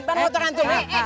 barang otor antum ya